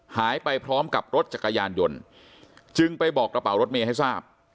หายไปพร้อมกับรถจักรยานยนต์จึงไปบอกกระเป๋ารถเมย์ให้ทราบ